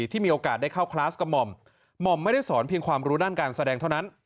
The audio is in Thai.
ที่มีโอกาสได้เข้าคลาสกับหม่อมหม่อมไม่ได้สอนเพียงความรู้ด้านการแสดงเท่านั้น